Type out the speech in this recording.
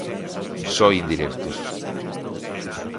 Só indirectos.